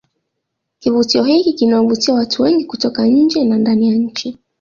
kivutio hiki kinawavutia watu wengi kutoka nje na ndani ya nchi